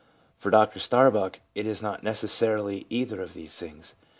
For Dr Starbuck, it is not necessarily either of these things.